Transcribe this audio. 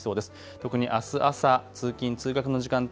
特にあす朝、通勤通学の時間帯